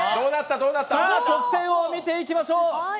さあ、得点を見ていきましょう！